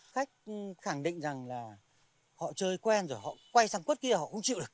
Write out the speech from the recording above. khách khẳng định rằng là họ chơi quen rồi họ quay sang quất kia họ không chịu được